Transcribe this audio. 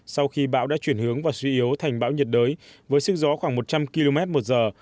sau khi bão đã chuyển hướng và suy yếu thành bão nhiệt đới với sức gió khoảng một trăm linh km một giờ